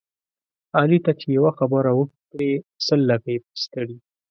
علي ته چې یوه خبره وکړې سل لکۍ پسې تړي.